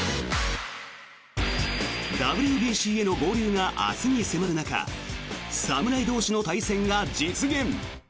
ＷＢＣへの合流が明日に迫る中侍同士の対戦が実現。